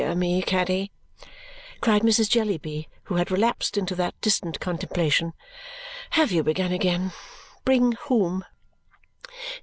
"Oh, dear me, Caddy," cried Mrs. Jellyby, who had relapsed into that distant contemplation, "have you begun again? Bring whom?"